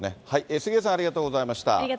杉上さん、ありがとうございました。